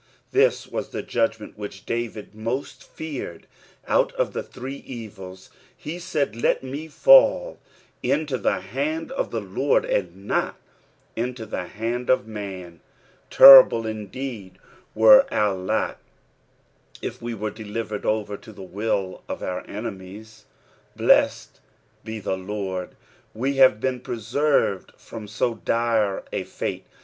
This was. the judgment which David most feared out of the three evils ; he said, let me fail into the hand of the Li>rd, and not into tlic hnnd of man. Terrible indeed were our lotif we were delivered over to the will of our enemies. BlesSed be the Lord, we have been preserved from so dire a fate.